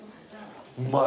うまい。